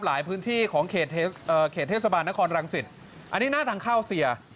หลายพื้นที่ของเขตเอ่อเขตเทพศาบาลนครรังสิทธิ์อันนี้หน้าทางเข้าเซีย